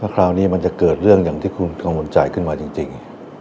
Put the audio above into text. คราวนี้มันจะเกิดเรื่องอย่างที่คุณกังวลใจขึ้นมาจริง